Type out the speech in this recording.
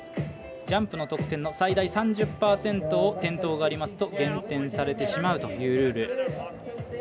ジャンプの得点の最大３０％を転倒がありますと減点されてしまうというルール。